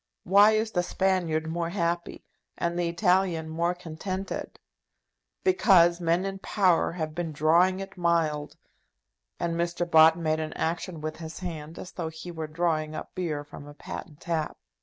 Why is the Spaniard more happy, and the Italian more contented? Because men in power have been drawing it mild!" And Mr. Bott made an action with his hand as though he were drawing up beer from a patent tap.